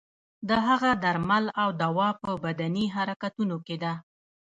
د هغه درمل او دوا په بدني حرکتونو کې ده.